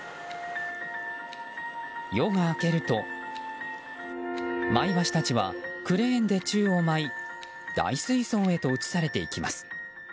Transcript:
夜が明けると、マイワシたちはクレーンで宙を舞い大水槽へと移されていきます。